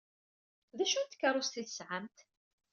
D acu n tkeṛṛust ay tesɛamt?